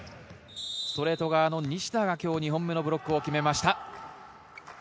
ストレート側の西田が今日２本目のブロックを決めました。